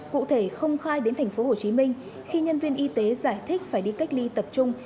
cụ thể không khai đến thành phố hồ chí minh khi nhân viên y tế giải thích phải đi cách ly tập trung